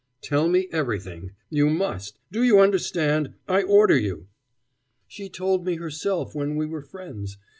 "Tell me everything. You must! Do you understand? I order you." "She told me herself when we were friends.